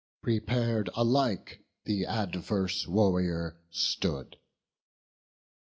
Prepar'd alike the adverse warrior stood.